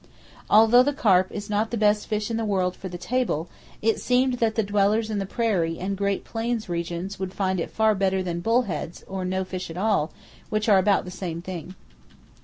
Although the carp is not the best fish in the world for the table, it seemed that the dwellers in the prairie and great plains regions would find it far better than bullheads, or no fish at all,—which are about the same thing.